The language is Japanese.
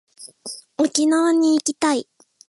沖縄に行きたい